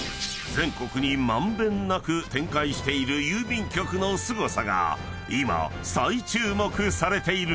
全国に満遍なく展開している郵便局のすごさが今再注目されている］